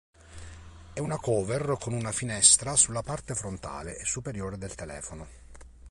È una cover con una finestra sulla parte frontale e superiore del telefono.